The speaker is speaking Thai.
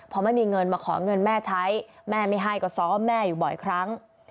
พอไม่มีเงินมาขอเงินแม่ใช้แม่ไม่ให้ก็ซ้อมแม่อยู่บ่อยครั้ง